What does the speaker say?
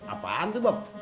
apaan tuh bob